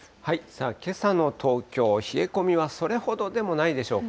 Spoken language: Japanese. けさの東京、冷え込みはそれほどでもないでしょうか。